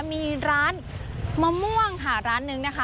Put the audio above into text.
มีร้านมะม่วงค่ะร้านนึงนะคะ